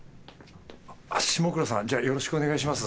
下倉さんじゃあよろしくお願いします。